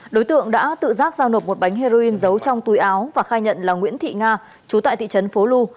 đối tượng đã tự giác giao nộp một bánh heroin giấu trong túi áo và khai nhận là nguyễn thị nga chú tại thị trấn phố lu